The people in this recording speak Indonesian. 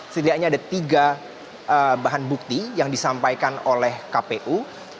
setidaknya ada tiga bahan bukti yang disampaikan oleh kpu